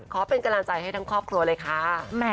ขอเป็นกำลังใจให้ทั้งครอบครัวเลยค่ะ